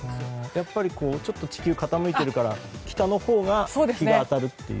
やっぱり少し地球が傾いているから北のほうが日が当たるという。